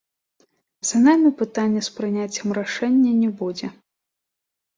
За намі пытання з прыняццем рашэння не будзе.